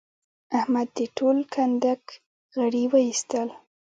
احمد د ټول کنډک غړي واېستل.